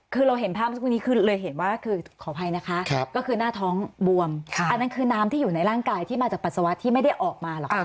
คือเราเห็นภาพเมื่อสักครู่นี้คือเลยเห็นว่าคือขออภัยนะคะก็คือหน้าท้องบวมอันนั้นคือน้ำที่อยู่ในร่างกายที่มาจากปัสสาวะที่ไม่ได้ออกมาหรอก